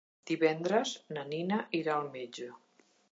Divendres na Nina irà al metge.